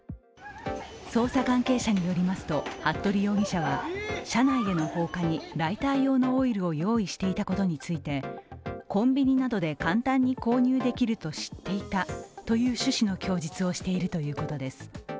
捜査関係者によりますと、服部容疑者は車内への放火に、ライター用のオイルを用意していたことについてコンビニなどで簡単に購入できると知っていたという趣旨の供述をしているということです。